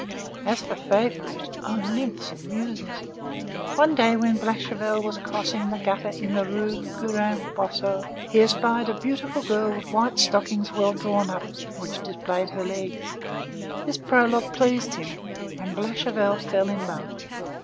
As for Favourite, O nymphs and muses! one day when Blachevelle was crossing the gutter in the Rue Guérin Boisseau, he espied a beautiful girl with white stockings well drawn up, which displayed her legs. This prologue pleased him, and Blachevelle fell in love.